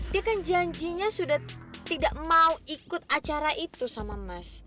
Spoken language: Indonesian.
dia kan janjinya sudah tidak mau ikut acara itu sama mas